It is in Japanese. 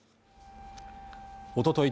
おととい